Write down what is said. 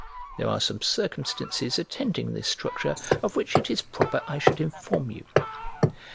There are some circumstances attending this structure of which it is proper I should inform you.